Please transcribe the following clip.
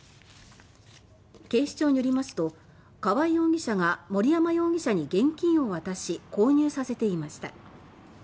警視庁によりますと川合容疑者が森山容疑者に現金を渡し購入させていました。